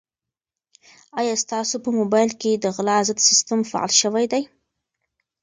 آیا ستاسو په موبایل کې د غلا ضد سیسټم فعال شوی دی؟